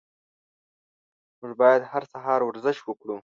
موږ باید هر سهار ورزش وکړو.